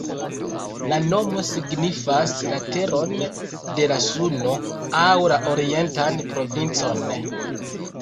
La nomo signifas "la teron de la Suno" aŭ "la orientan provincon.